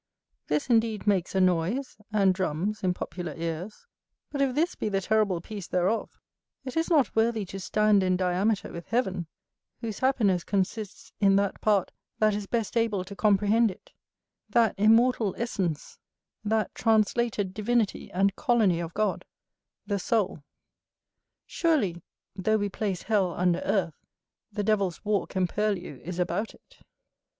This indeed makes a noise, and drums in popular ears: but if this be the terrible piece thereof, it is not worthy to stand in diameter with heaven, whose happiness consists in that part that is best able to comprehend it, that immortal essence, that translated divinity and colony of God, the soul. Surely, though we place hell under earth, the devil's walk and purlieu is about it.